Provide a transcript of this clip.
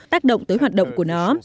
tác động tới hoạt động của nó